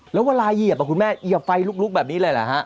แล้วเวลาเหยียบคุณแม่เหยียบไฟลุกแบบนี้เลยเหรอฮะ